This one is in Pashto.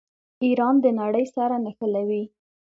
ایران د نړۍ سره نښلوي.